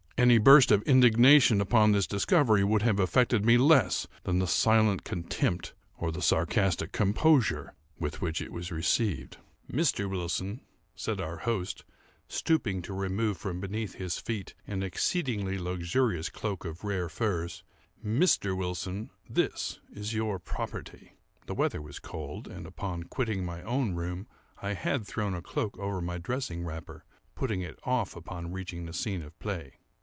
Any burst of indignation upon this discovery would have affected me less than the silent contempt, or the sarcastic composure, with which it was received. "Mr. Wilson," said our host, stooping to remove from beneath his feet an exceedingly luxurious cloak of rare furs, "Mr. Wilson, this is your property." (The weather was cold; and, upon quitting my own room, I had thrown a cloak over my dressing wrapper, putting it off upon reaching the scene of play.)